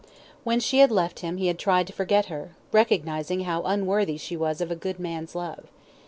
When she had left him he had tried to forget her, recognising how unworthy she was of a good man's love.